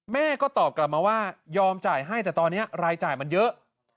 แม่ก็ตอบกลับมาว่ายอมจ่ายให้แต่ตอนนี้รายจ่ายมันเยอะ